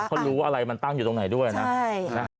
เขารู้ว่าอะไรมันตั้งอยู่ตรงไหนด้วยนะ